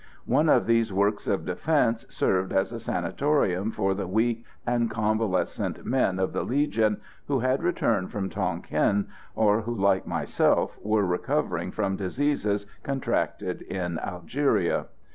One of these works of defence served as a sanatorium for the weak and convalescent men of the Legion who had returned from Tonquin, or who, like myself, were recovering from diseases contracted in Algeria.